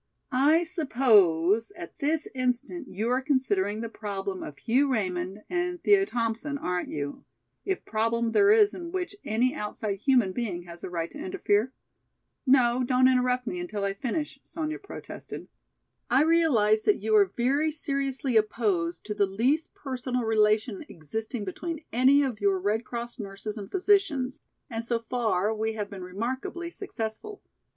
"I suppose at this instant you are considering the problem of Hugh Raymond and Thea Thompson, aren't you, if problem there is in which any outside human being has a right to interfere? No, don't interrupt me until I finish," Sonya protested. "I realize that you are very seriously opposed to the least personal relation existing between any of your Red Cross nurses and physicians and so far we have been remarkably successful.